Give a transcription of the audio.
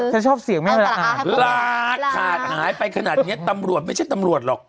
ถ้าชอบเสียงไม่อ่านหายไปขนาดเนี้ยตำรวจไม่ใช่ตำรวจหรอก